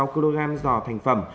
tám mươi sáu kg giò thành phẩm